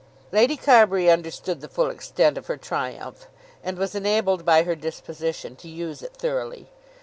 Lady Carbury understood the full extent of her triumph, and was enabled by her disposition to use it thoroughly.